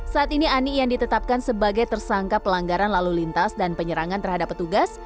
saat ini ani yang ditetapkan sebagai tersangka pelanggaran lalu lintas dan penyerangan terhadap petugas